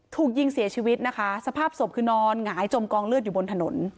ถูกยิงเสียชีวิตนะคะสภาพศพคือนอนหงายจมกองเลือดอยู่บนถนน